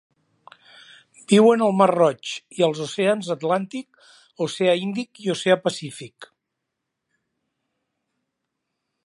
Viuen al Mar Roig i als oceans Atlàntic, Oceà Índic i Oceà Pacífic.